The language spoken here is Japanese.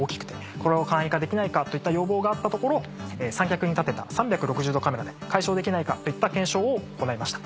これを簡易化できないかといった要望があったところ三脚に立てた３６０度カメラで解消できないかといった検証を行いました。